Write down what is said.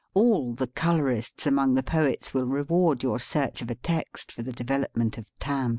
All the colorists among the poets will reward your search of a text for the development of timbre.